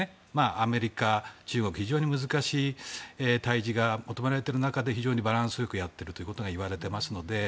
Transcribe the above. アメリカ、中国非常に難しい対峙が求められている中で非常にバランスよくやっているといわれていますので。